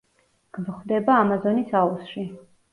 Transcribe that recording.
გვხვდება ამაზონის აუზში.